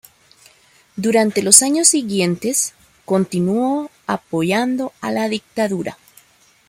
Durante los años siguientes, continuó apoyando a la dictadura.